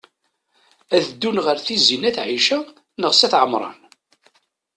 Ad ddun ɣer Tizi n at Ɛica neɣ s at Ɛemṛan?